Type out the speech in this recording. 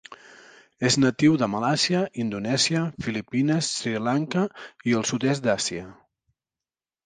És natiu de Malàisia, Indonèsia, Filipines, Sri Lanka i sud-est d'Àsia.